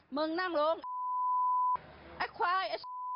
มึงนั่งลงไอ้ควาย